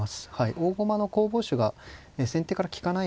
大駒の攻防手が先手から利かないので。